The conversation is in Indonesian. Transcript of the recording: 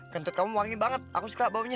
kentut kamu wangi banget aku suka baunya